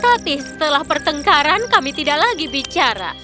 tapi setelah pertengkaran kami tidak lagi bicara